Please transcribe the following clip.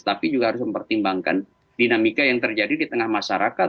tapi juga harus mempertimbangkan dinamika yang terjadi di tengah masyarakat